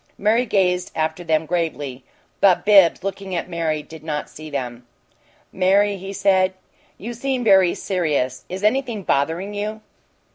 Mary gazed after them gravely, but Bibbs, looking at Mary, did not see them. "Mary," he said, "you seem very serious. Is anything bothering you?"